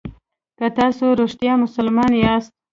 که تاسو رښتیا مسلمانان یاست.